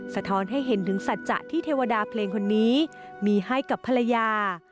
สะท้อนให้เห็นถึงสัจจะที่เทวดาเพลงคนนี้มีให้กับภรรยา